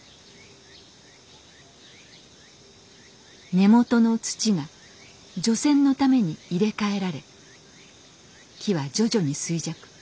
根元の土が除染のために入れ替えられ木は徐々に衰弱。